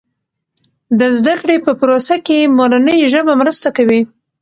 د زده کړې په پروسه کې مورنۍ ژبه مرسته کوي.